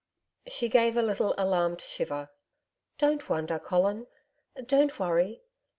She gave a little alarmed shiver. 'Don't wonder, Colin. Don't worry....